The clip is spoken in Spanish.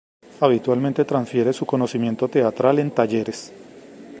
Habitualmente transfiere su conocimiento teatral en "talleres".